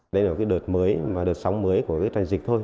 đây là đợt mới đợt sóng mới của trành dịch thôi